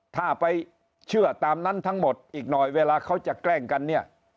ถ้าไปเชื่อตามนั้นทั้งหมดอีกหน่อยเวลาเขาจะแกล้งกันเนี่ย